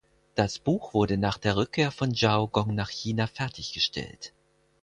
Das Buch wurde nach der Rückkehr von Zhao Gong nach China fertiggestellt.